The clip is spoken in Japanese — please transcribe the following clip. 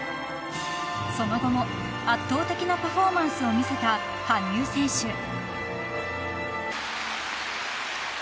［その後も圧倒的なパフォーマンスを見せた羽生選手］